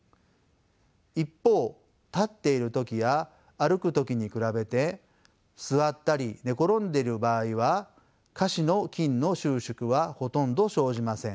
一方立っている時や歩く時に比べて座ったり寝転んでいる場合は下肢の筋の収縮はほとんど生じません。